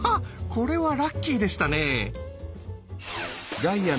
これはラッキーでしたね。